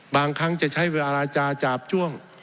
บางครั้งจะใช้เวลาราจาจาบจ้วง